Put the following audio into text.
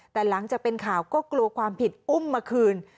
แต่หลังจากเป็นข่าวก็กลัวความผิดอุ้มมาคืน